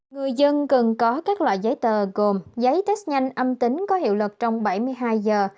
người dân cần có các loại giấy tờ gồm giấy test nhanh âm tính có hiệu lực trong bảy mươi hai giờ